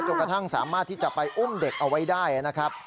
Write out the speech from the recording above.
กระทั่งสามารถที่จะไปอุ้มเด็กเอาไว้ได้นะครับ